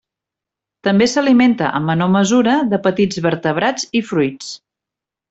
També s'alimenta, en menor mesura, de petits vertebrats i fruits.